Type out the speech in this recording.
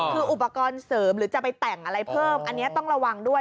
คืออุปกรณ์เสริมหรือจะไปแต่งอะไรเพิ่มอันนี้ต้องระวังด้วย